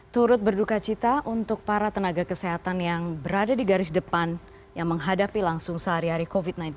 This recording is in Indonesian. turut berduka cita untuk para tenaga kesehatan yang berada di garis depan yang menghadapi langsung sehari hari covid sembilan belas